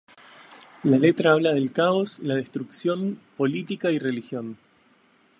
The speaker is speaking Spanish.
La letra habla del caos, la destrucción, política y religión.